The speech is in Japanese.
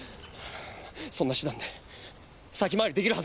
そんな手段で先回り出来るはずがない。